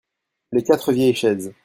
Les quatre vieilles chaises.